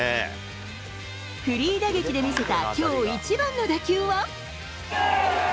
フリー打撃で見せたきょう一番の打球は。